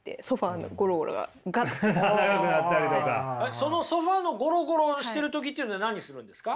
そのソファのゴロゴロしてる時っていうのは何するんですか？